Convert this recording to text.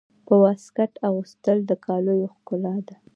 د واسکټ اغوستل د کالیو ښکلا ده.